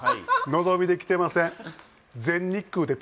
のぞみで来てません